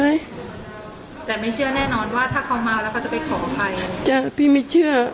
ไม่แต่ไม่เชื่อแน่นอนว่าถ้าเขามาแล้วเขาจะไปขออภัยเจอพี่ไม่เชื่อ